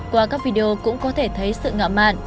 qua các video cũng có thể thấy sự ngạo mạn